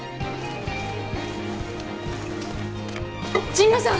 神野さん！